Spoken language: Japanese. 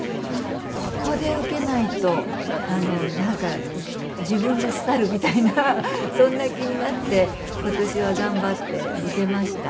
ここで受けないと自分が廃るみたいなそんな気になって今年は頑張って受けました。